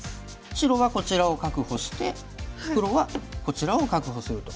白はこちらを確保して黒はこちらを確保すると。